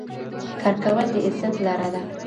کار کول د عزت لاره ده.